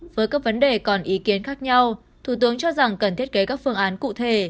với các vấn đề còn ý kiến khác nhau thủ tướng cho rằng cần thiết kế các phương án cụ thể